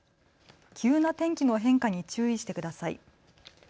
急な天気の変化に注意してください。